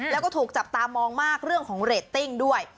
แล้วก็ถูกจับตามองมากเรื่องของเรตติ้งด้วย